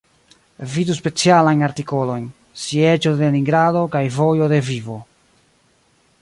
Vidu specialajn artikolojn: Sieĝo de Leningrado kaj Vojo de Vivo.